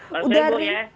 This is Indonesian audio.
berarti berarti ibu ya